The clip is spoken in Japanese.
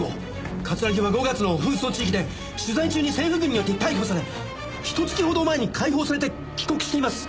桂木は５月紛争地域で取材中に政府軍によって逮捕されひと月ほど前に解放されて帰国しています。